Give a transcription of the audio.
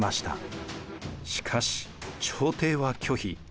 しかし朝廷は拒否。